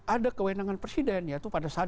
ada kewenangan presiden yaitu pada saat